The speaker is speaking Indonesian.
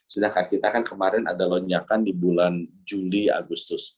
sedangkan kita kan kemarin ada lonjakan di bulan juli agustus